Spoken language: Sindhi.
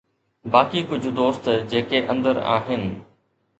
باقي ڪجهه دوست جيڪي اندر آهن